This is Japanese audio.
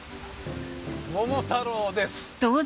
桃太郎です。